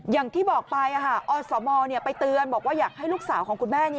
อย่างที่บอกไปอสมไปเตือนบอกว่าอยากให้ลูกสาวของคุณแม่